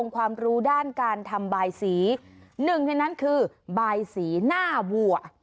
ความรู้ด้านการทำบายสีหนึ่งในนั้นคือบายสีหน้าวัว